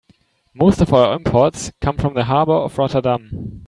Most of our imports come from the harbor of Rotterdam.